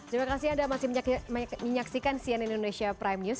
terima kasih anda masih menyaksikan cnn indonesia prime news